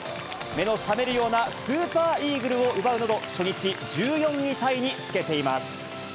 目の覚めるようなスーパーイーグルを奪うなど、初日、１４位タイにつけています。